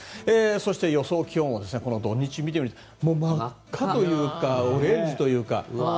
そして、予想気温はこの土日を見てみるともう真っ赤というかオレンジというか。